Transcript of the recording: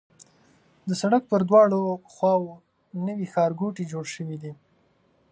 د سړک پر دواړو خواوو نوي ښارګوټي جوړ شوي دي.